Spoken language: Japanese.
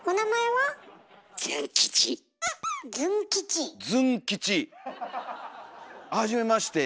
はじめまして。